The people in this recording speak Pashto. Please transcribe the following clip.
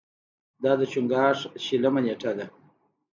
دا د چنګاښ شلمه نېټه ده.